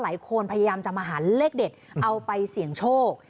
พยายามจะมาหาเลขเด็ดเอาไปเสี่ยงโชค